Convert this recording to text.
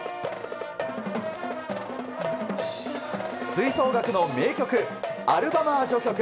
吹奏楽の名曲「アルヴァマー序曲」。